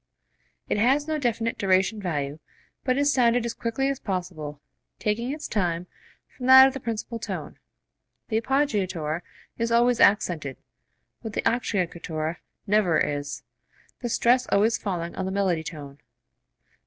It has no definite duration value, but is sounded as quickly as possible, taking its time from that of the principal tone. The appoggiatura is always accented, but the acciaccatura never is, the stress always falling on the melody tone.